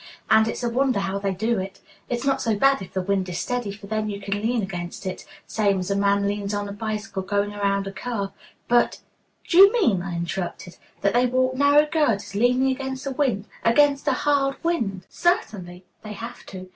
And it's a wonder how they do it. It's not so bad if the wind is steady, for then you can lean against it, same as a man leans on a bicycle going around a curve; but " "Do you mean," I interrupted, "that they walk narrow girders leaning against the wind against a hard wind?" "Certainly; they have to.